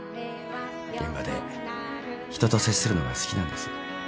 現場で人と接するのが好きなんです。